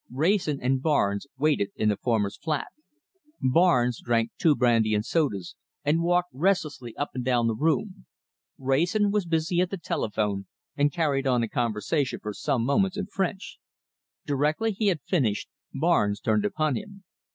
Wrayson and Barnes waited in the former's flat. Barnes drank two brandy and sodas, and walked restlessly up and down the room. Wrayson was busy at the telephone, and carried on a conversation for some moments in French. Directly he had finished, Barnes turned upon him.